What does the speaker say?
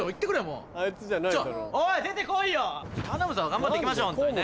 頑張っていきましょうホントにね。